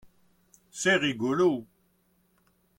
C'est rigolo.